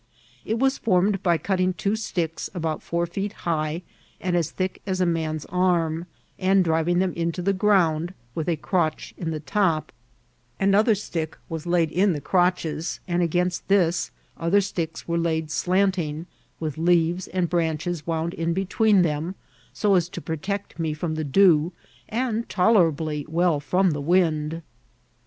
It was formed by cutting two sticks about four feet high, and as thick as a man's arm, uid driving them into the ground, with a crotch in the top« Another stick was laid in the crotches, and against this other sticks were laid slanting, with leaves and branch* es wound in between them, so as to protect me firom tiie dew, and tolerably well firom the wind.